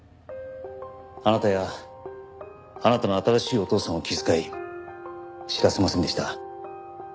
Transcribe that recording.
あなたやあなたの新しいお父さんを気遣い知らせませんでした。